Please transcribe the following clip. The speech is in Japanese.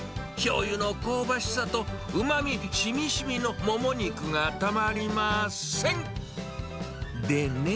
しょうゆの香ばしさとうまみしみしみのもも肉がたまりません。